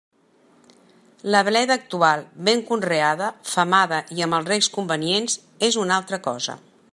La bleda actual, ben conreada, femada i amb els recs convenients és una altra cosa.